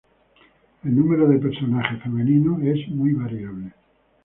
El número de personajes femeninos es muy variable.